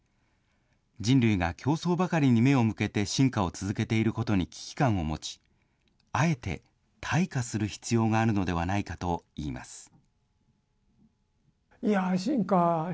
人類が競争ばかりに目を向けて進化を続けていることに危機感を持ち、あえて退化する必要があるのではないかといいます。